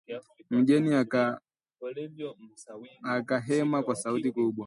Mgeni akahema kwa sauti kubwa